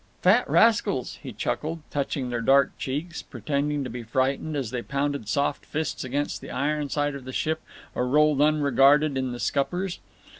"Fat rascals," he chuckled, touching their dark cheeks, pretending to be frightened as they pounded soft fists against the iron side of the ship or rolled unregarded in the scuppers.